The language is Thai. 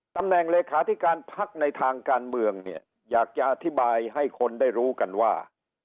เลขาธิการพักในทางการเมืองเนี่ยอยากจะอธิบายให้คนได้รู้กันว่า